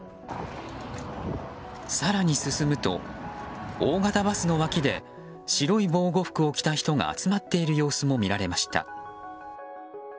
更に進むと、大型バスの脇で白い防護服を着た人が集まっている様子も見られました。